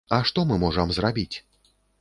А што мы можам зрабіць?